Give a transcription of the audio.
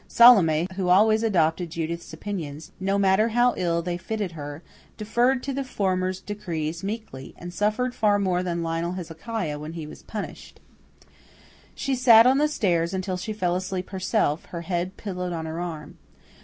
Salome, who always adopted Judith's opinions, no matter how ill they fitted her, deferred to the former's decrees meekly, and suffered far more than Lionel Hezekiah when he was punished. She sat on the stairs until she fell asleep herself, her head pillowed on her arm.